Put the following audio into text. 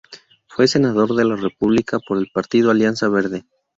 Fue senador de la República por el Partido Alianza Verde.